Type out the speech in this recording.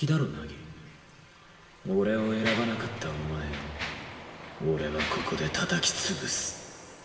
俺を選ばなかったお前を俺はここでたたき潰す。